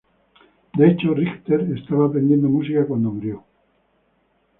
De hecho, Richter estaba aprendiendo música cuando murió.